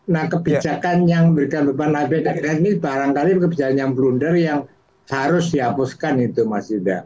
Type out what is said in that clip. nah kebijakan yang memberikan beban abk ini barangkali kebijakan yang blunder yang harus dihapuskan itu mas yuda